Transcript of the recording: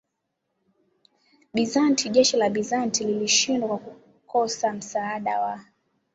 Bizanti Jeshi la Bizanti lilishindwa kwa kukosa msaada wa